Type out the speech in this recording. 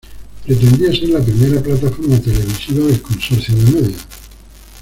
Pretendía ser la primera plataforma televisiva del consorcio de medios.